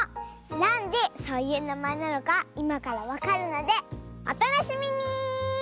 なんでそういうなまえなのかいまからわかるのでおたのしみに！